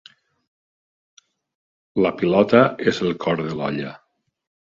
La pilota és el cor de l'olla.